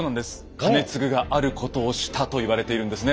兼続があることをしたと言われているんですね。